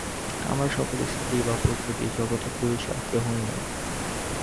আমরা সকলে স্ত্রী বা প্রকৃতি, জগতে পুরুষ আর কেহ নাই।